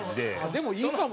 でもいいかもね。